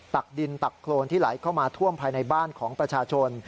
ตักดินตักโครนที่ไหลเข้ามาท่วมภายในบ้านของประชาชน